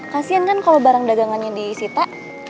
kasian kan kalau barang dagangannya disita